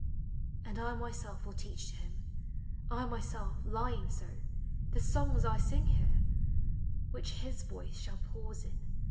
•• And I myself will teach to him. I myself, lying . The songs I sing here : which his voice Shall pause in.